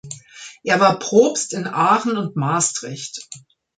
Er war Propst in Aachen und Maastricht.